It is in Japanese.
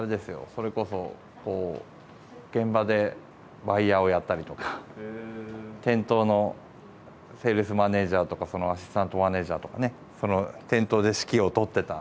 それこそこう現場でバイヤーをやったりとか店頭のセールスマネージャーとかそのアシスタントマネージャーとかねその店頭で指揮を執ってた。